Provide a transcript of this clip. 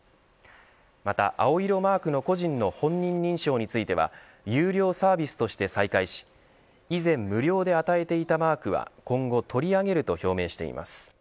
また青色マークの個人の本人認証については有料サービスとして再開し以前無料で与えていたマークは今後取り上げると表明しています。